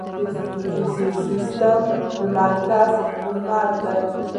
د ستوریز سیستم مرکز لمر دی